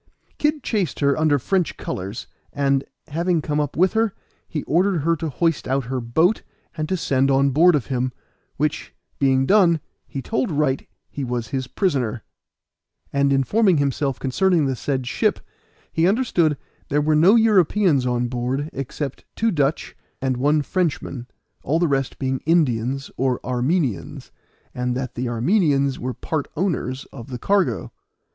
Kid chased her under French colors, and, having come up with her, he ordered her to hoist out her boat and to send on board of him, which, being done, he told Wright he was his prisoner; and informing himself concerning the said ship, he understood there were no Europeans on board except two Dutch, and one Frenchman, all the rest being Indians or Armenians, and that the Armenians were part owners of the cargo.